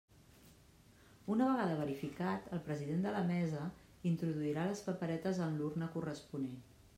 Una vegada verificat, el president de la Mesa introduirà les paperetes en l'urna corresponent.